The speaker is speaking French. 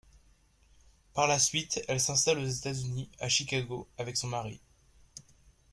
Par la suite, elle s'installe aux États-Unis, à Chicago, avec son mari.